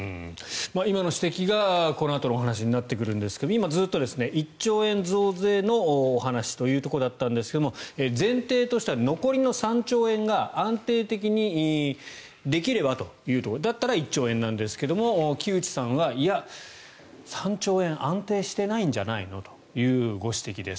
今の指摘がこのあとのお話になりますが今、ずっと１兆円増税のお話だったんですが前提としては残りの３兆円が安定的にできればというところだったら１兆円なんですが木内さんはいや、３兆円安定してないんじゃないのというご指摘です。